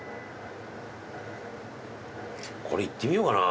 これいってみようかな。